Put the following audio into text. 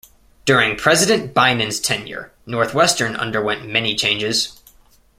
During President Bienen's tenure, Northwestern underwent many changes.